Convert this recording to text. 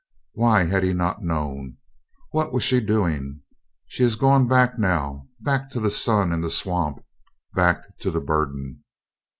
Why had he not known? What was she doing? "She has gone back now" back to the Sun and the Swamp, back to the Burden.